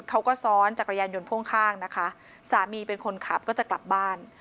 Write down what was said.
เขาก็ซ้อนจักรยานยนต์พ่วงข้างนะคะสามีเป็นคนขับก็จะกลับบ้าน